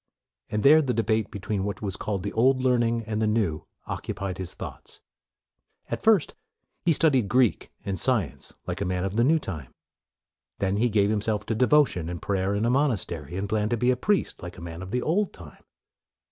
And there the debate between what was called the old learning and the new occu pied his thoughts. At first, he studied Greek and science, like a man of the new time. Then he gave himself to devotion and prayer in a monastery, and planned to be a priest, like a man of the old time.